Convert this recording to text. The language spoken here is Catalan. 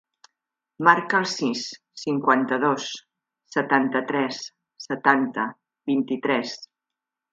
Marca el sis, cinquanta-dos, setanta-tres, setanta, vint-i-tres.